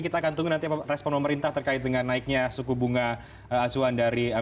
kita akan tunggu nanti respon pemerintah terkait dengan naiknya suku bunga acuan dari